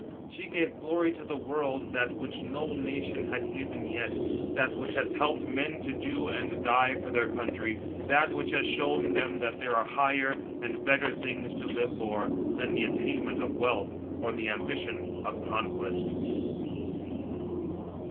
She gave to the world that, which no nation had given yet, that, which has helped 110 A GIpAT TEACHER. [B.C. 469 399. men to do and die for their country, that which has shown them, th&t there are higher and better things to live for, than the attainment of wealth or the ambition of conquest.